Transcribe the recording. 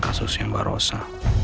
kasus yang barosa